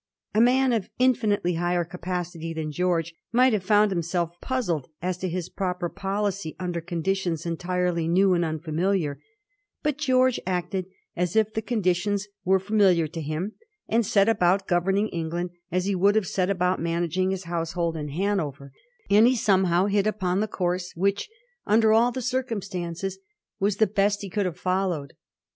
A man of infinitely higher capacity than George might have found himself puzzled as to his proper policy under conditions entirely new and unfamiliar; but George acted as if the conditions were familiar to him, and set about governing England as he would have set about managing his household in Hanover ; Digiti zed by Google 120 A HISTORY OF THE FOUR GEORGES. ch.vi. and he somehow hit upon the course which under all the circumstances was the best he could have fol lowed.